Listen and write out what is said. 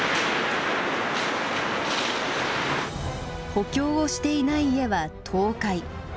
補強をしていない家は倒壊。